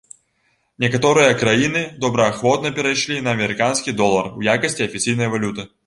Некаторыя краіны добраахвотна перайшлі на амерыканскі долар у якасці афіцыйнай валюты.